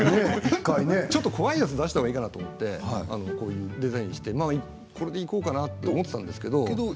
ちょっと怖いやつを出したほうがいいかなとデザインして、これでいこうかなと思ったんですが。